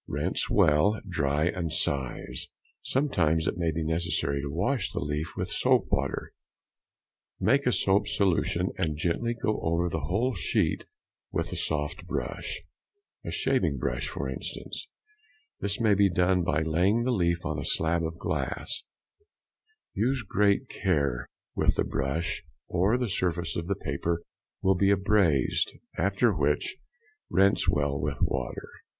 Rinse well, dry, and size. Sometimes it will be necessary to wash the leaf with soap water. Make a soap solution, and gently go over the whole sheet with a soft brush, a shaving brush for instance; this may be done by laying the leaf on a slab of glass: use great care with |163| the brush, or the surface of the paper will be abraised; after which, rinse well with water.